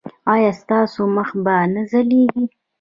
ایا ستاسو مخ به نه ځلیږي؟